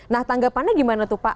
nah tanggapannya gimana tuh pak